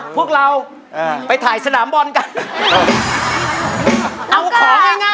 พวกเราไปถ่ายสนามบอลกัน